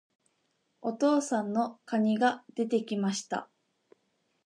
お父さんの蟹が出て来ました。